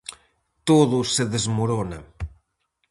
Todo se desmorona.